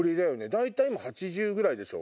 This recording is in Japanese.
大体今８０ぐらいでしょ？